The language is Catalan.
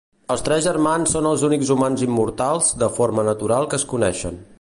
Els tres germans són els únics humans immortals de forma natural que es coneixen.